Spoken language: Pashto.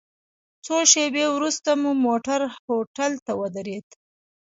څو شېبې وروسته مو موټر هوټل ته ودرید.